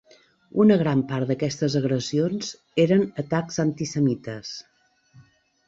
Una gran part d'aquestes agressions eren atacs antisemites.